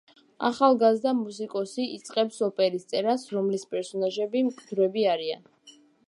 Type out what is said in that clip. ახალგაზრდა მუსიკოსი იწყებს ოპერის წერას, რომლის პერსონაჟები მკვდრები არიან.